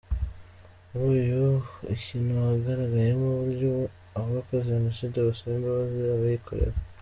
Muri uyu ukino hagaragayemo uburyo abakoze Jenoside basaba imbabazi abayikorewe.